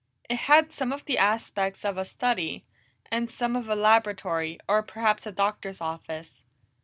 It had some of the aspects of a study, and some of a laboratory, or perhaps a doctor's office.